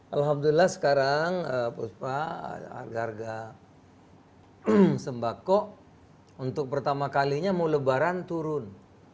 alhamdulillah sekarang puspa harga harga sembako untuk pertama kalinya mau lebaran turun